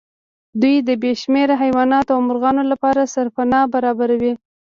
دوی د بې شمېره حيواناتو او مرغانو لپاره سرپناه برابروي.